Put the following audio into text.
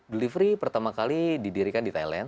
delivery pertama kali didirikan di thailand